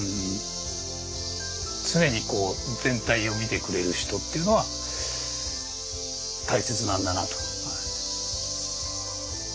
常にこう全体を見てくれる人っていうのは大切なんだなと。